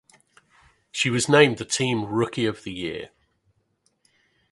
She was named the team Rookie of the Year.